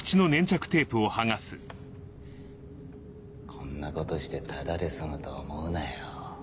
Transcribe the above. こんなことしてただで済むと思うなよ。